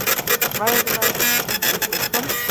ایا زه باید د انګور جوس وڅښم؟